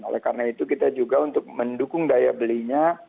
oleh karena itu kita juga untuk mendukung daya belinya